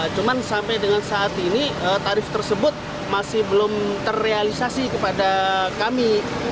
cuman sampai dengan saat ini tarif tersebut masih belum terrealisasi kepada kami